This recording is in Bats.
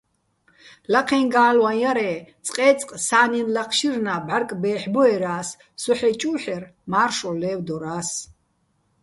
ლაჴეჼ გა́ლვაჼ ჲარ-ე́, წყე́წყ სა́ნინ ლაჴშირნა́ ბჵარკ ბე́ჰ̦ბოერა́ს, სო ჰ̦ეჭუ́ჰ̦ერ, მა́რშოლ ლე́ვდორას.